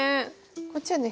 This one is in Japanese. こっちはね